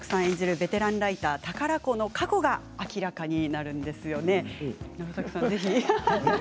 ベテランライター宝子の過去が明らかになるんですよね。